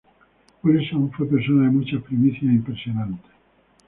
Wilson fue persona de muchas primicias impresionantes.